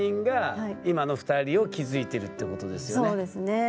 そうですね。